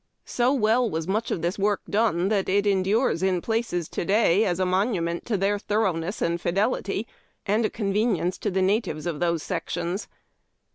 So well was much of this work done tliat it endures in places to day as a monument to their thoroughness and iidelit}^ and a convenience to the natives of those sections.